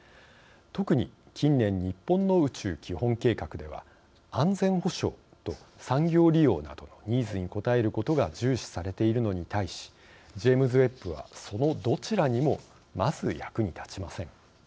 特に近年日本の宇宙基本計画では安全保障と産業利用などのニーズに応えることが重視されているのに対しジェームズ・ウェッブはそのどちらにもまず役に立ちません。